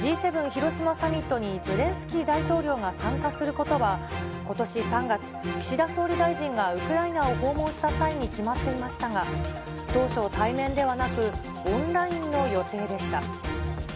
広島サミットにゼレンスキー大統領が参加することは、ことし３月、岸田総理大臣がウクライナを訪問した際に決まっていましたが、当初、対面ではなくオンラインの予定でした。